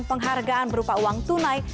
penghargaan berupa uang tunai